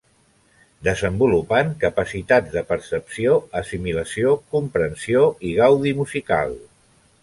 Desenvolupant capacitats de percepció, assimilació, comprensió i gaudi musical.